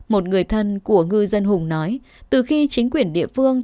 một người thân của ngư dân hùng nói từ khi chính quyền địa phương